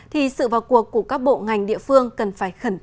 thì sự vào cuộc của các bộ ngành địa phương cần phải khẩn trương hơn nữa